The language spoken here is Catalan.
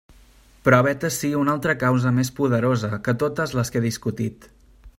Però vet ací una altra causa més poderosa que totes les que he discutit.